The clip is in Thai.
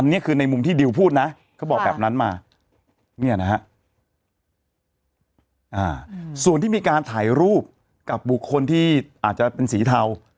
นี่คือในมุมที่ดิวพูดนะเขาบอกแบบนั้นมาเนี่ยนะฮะส่วนที่มีการถ่ายรูปกับบุคคลที่อาจจะเป็นสีเทา